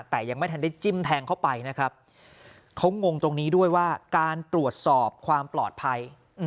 แต่ยังไม่ทันได้จิ้มแทงเข้าไปนะครับเขางงตรงนี้ด้วยว่าการตรวจสอบความปลอดภัย